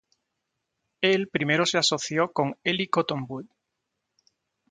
Él primero se asoció con Eli Cottonwood.